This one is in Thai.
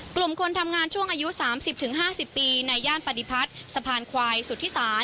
กลุ่มคนทำงานช่วงอายุ๓๐๕๐ปีในย่านปฏิพัฒน์สะพานควายสุธิศาล